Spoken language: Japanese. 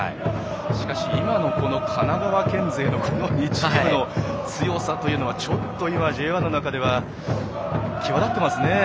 しかし、今の神奈川県勢の２チームの強さというのはＪ１の中では際立っていますね。